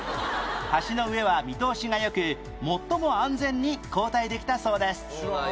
橋の上は見通しが良く最も安全に交代できたそうです